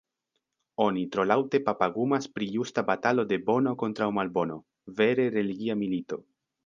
Oni tro laŭte papagumas pri justa batalo de Bono kontraŭ Malbono, vere religia milito.